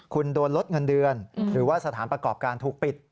คุณโดนลดเงินเดือนหรือว่าสถานประกอบการถูกปิด